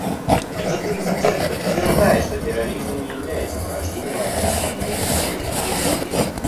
Этот инцидент подтверждает, что терроризм не является порождением одной страны или какой-либо религии.